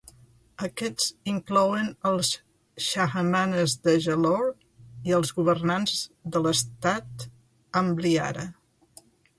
Aquests inclouen els Chahamanas de Jalor i els governants de l"Estat Ambliara.